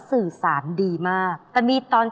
ช่วยฝังดินหรือกว่า